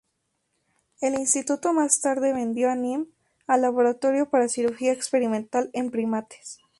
El Instituto más tarde vendió a Nim al Laboratorio para Cirugía Experimental en Primates.